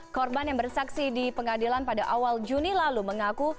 korban yang bersaksi di pengadilan pada awal juni lalu mengaku